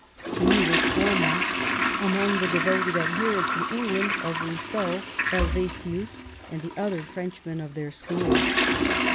He was the foremost among the devoted adherents in England of Rousseau, Helvetius, and the other Frenchmen of their school.